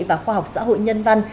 và khoa học xã hội nhân văn